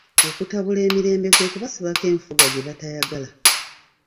Okutabula emirembe kwe kubasibako enfuga gye batayagala.